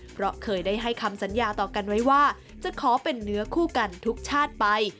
เพราะเคยได้ให้คำสัญญาต่อกันไว้ว่าจะขอเป็นเนื้อคู่กันทุกชาติไป